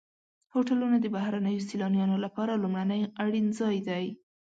هوټلونه د بهرنیو سیلانیانو لپاره لومړنی اړین ځای دی.